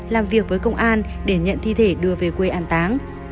làm việc với công an để nhận thi thể đưa về quê an táng